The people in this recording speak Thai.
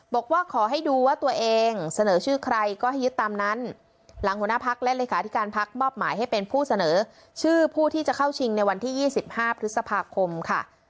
บอกว่าขอให้ดูว่าตัวเองเสนอชื่อใครก็ให้ยึดตามนั้นหลังหัวหน้าพักและเลขาธิการพักมอบหมายให้เป็นผู้เสนอชื่อผู้ที่จะเข้าชิงในวันที่๒๕พฤษภาคมค่ะ